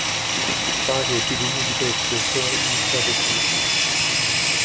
Varie epidemie di peste sono iniziate qui.